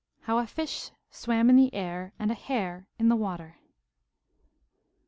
HOW A FISH SWAM IN THE AIR AND A HARE IN THE WATER.